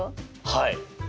はい。